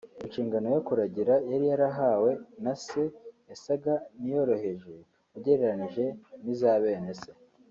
Inshingano yo kuragira yari yarahawe na se yasaga n'iyoroheje ugereranije n'iza bene se